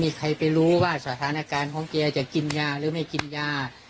อยู่ที่ปลาย่าที่ร่วมเขานั่นแหละ